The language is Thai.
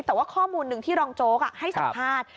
แต่ว่าข้อมูลหนึ่งที่รองโจ๊กให้สัมภาษณ์